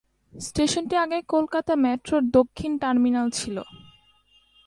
স্টেশনটি আগে কলকাতা মেট্রোর দক্ষিণ টার্মিনাল ছিল।